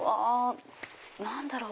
何だろう？